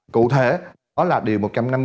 cụ thể đó là điều một trăm năm mươi